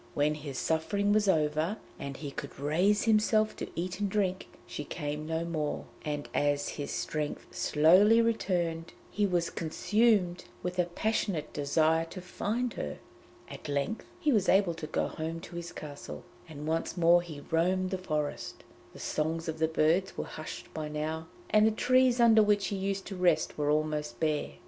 When his suffering was over, and he could raise himself to eat and drink, she came to him no more, and as his strength slowly returned he was consumed with a passionate desire to find her. At length he was able to go home to his castle, and once more he roamed the forest. The songs of the birds were hushed by now, and the trees under which he used to rest were almost bare.